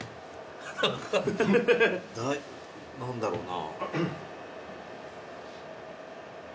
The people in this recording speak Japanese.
何だろうな。